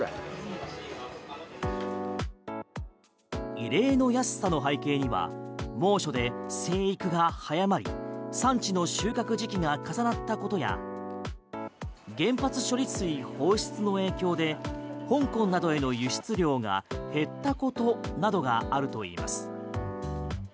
異例の安さの背景には猛暑で生育が早まり産地の収穫時期が重なったことや原発処理水放出の影響で香港などへの輸出量が減ったことなどがあるといいます。